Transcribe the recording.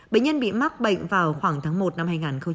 bệnh nhân bị mắc bệnh vào khoảng tháng một năm hai nghìn hai mươi